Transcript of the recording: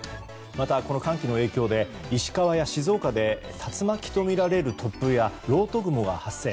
また、この寒気の影響で石川や静岡で竜巻とみられる突風やろうと雲が発生。